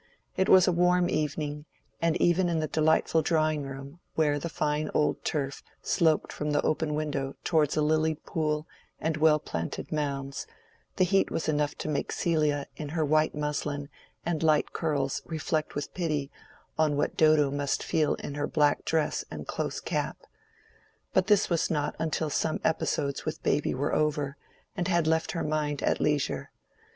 It was a warm evening, and even in the delightful drawing room, where the fine old turf sloped from the open window towards a lilied pool and well planted mounds, the heat was enough to make Celia in her white muslin and light curls reflect with pity on what Dodo must feel in her black dress and close cap. But this was not until some episodes with baby were over, and had left her mind at leisure.